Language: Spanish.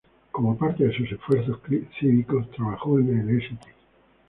Como parte de sus esfuerzos cívicos, trabajó en el St.